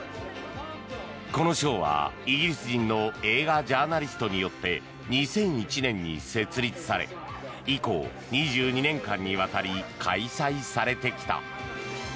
この賞は、イギリス人の映画ジャーナリストによって２００１年に設立され以降、２２年間にわたり開催されてきた。